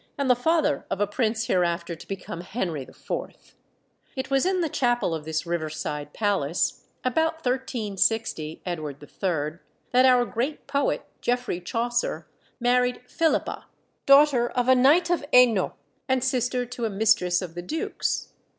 and the father of a prince hereafter to become Henry IV. It was in the chapel of this river side palace (about 1360, Edward III.) that our great poet, Geoffrey Chaucer, married Philippa, daughter of a knight of Hainault and sister to a mistress of the Duke's.